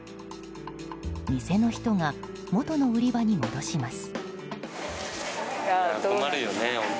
店の人が元の売り場に戻します。